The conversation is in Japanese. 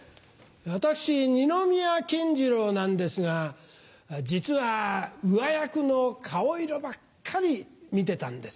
私二宮金次郎なんですが実は上役の顔色ばっかり見てたんです。